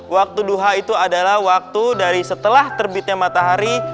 waktu duha itu adalah waktu dari setelah terbitnya matahari